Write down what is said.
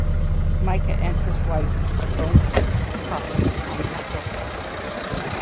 Mica and his wife own six properties on Capitol Hill.